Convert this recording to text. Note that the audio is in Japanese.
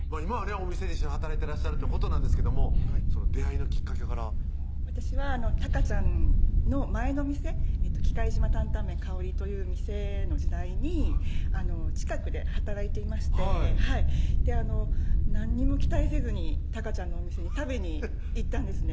お店で一緒に働いてらっしゃるってことなんですけども出会いのきっかけから私はたかちゃんの前の店喜界島担々麺香という店の時代に近くで働いていましてはい何にも期待せずにたかちゃんのお店に食べに行ったんですね